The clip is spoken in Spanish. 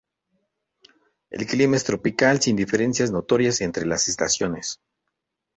El clima es tropical, sin diferencias notorias entre las estaciones.